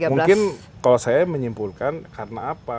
mungkin kalau saya menyimpulkan karena apa